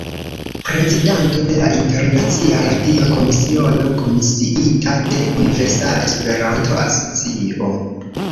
Prezidanto de la Internacia Radio-Komisiono, komisiita de Universala Esperanto-Asocio.